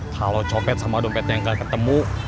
kalau copet sama dompetnya yang gak ketemu